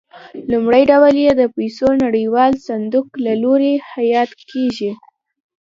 لومړی ډول یې د پیسو نړیوال صندوق له لوري حیات کېږي.